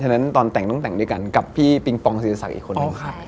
นั้นตอนแต่งต้องแต่งด้วยกันกับพี่ปิงปองศิริศักดิ์อีกคนนึง